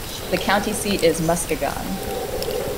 The county seat is Muskegon.